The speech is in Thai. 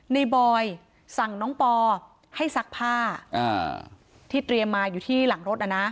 บอยสั่งน้องปอให้ซักผ้าที่เตรียมมาอยู่ที่หลังรถ